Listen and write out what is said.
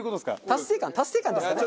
達成感達成感ですかね？